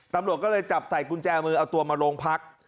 ตำรวจก็เลยจับใส่กุญแจมือเอาตัวมาโรงพัก